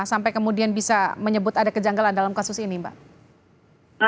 sampai kemudian bisa menyebut ada kejanggalan dalam kasus ini mbak